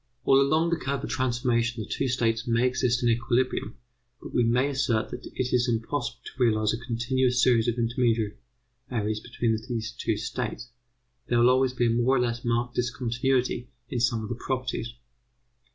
All along the curve of transformation the two states may exist in equilibrium, but we may assert that it is impossible to realize a continuous series of intermediaries between these two states. There will always be a more or less marked discontinuity in some of the properties.